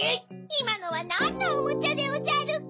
いまのはなんのおもちゃでおじゃるか？